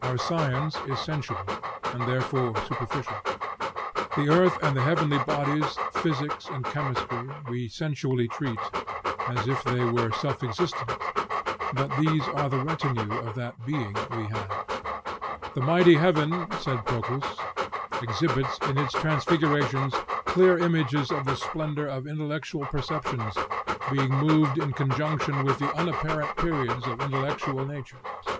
Our science is sensual, and therefore superficial. The earth and the heavenly bodies, physics, and chemistry, we sensually treat, as if they were self existent; but these are the retinue of that Being we have. "The mighty heaven," said Proclus, "exhibits, in its transfigurations, clear images of the splendor of intellectual perceptions; being moved in conjunction with the unapparent periods of intellectual natures."